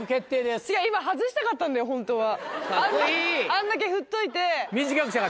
あんだけふっといて。